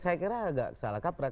saya kira agak salah kaprah